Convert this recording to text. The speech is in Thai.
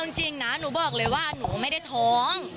จริงนะหนูบอกเลยว่าหนูไม่ได้ท้อง